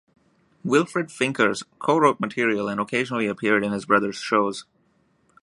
Wilfried Finkers co-wrote material and occasionally appeared in his brother's shows.